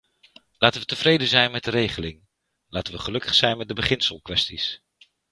Laten we tevreden zijn met de regeling, laten we gelukkig zijn met de beginselkwesties.